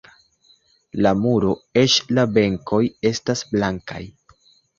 La muro, eĉ la benkoj estas blankaj.